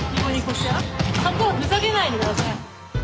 そこはふざけないでください！